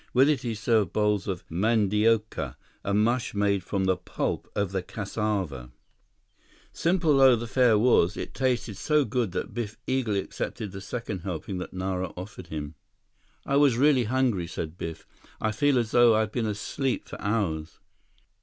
With it he served bowls of mandioca, a mush made from the pulp of the cassava. Simple though the fare was, it tasted so good that Biff eagerly accepted the second helping that Nara offered him. "I was really hungry," said Biff. "I feel as though I had been asleep for hours."